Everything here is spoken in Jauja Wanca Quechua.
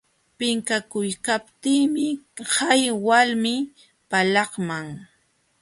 Pinqakuykaptiimi hay walmi palaqman.